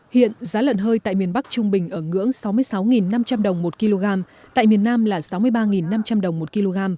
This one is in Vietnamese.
hiện giá lợn hơi tại miền bắc trung bình ở ngưỡng sáu mươi sáu năm trăm linh đồng một kg tại miền nam là sáu mươi ba năm trăm linh đồng một kg